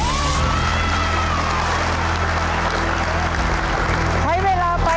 กล่อข้าวหลามใส่กระบอกภายในเวลา๓นาที